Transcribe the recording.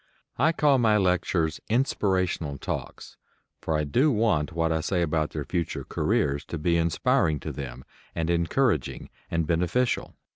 I call my lectures "inspirational talks," for I do want what I say about their future careers to be inspiring to them, and encouraging and beneficial.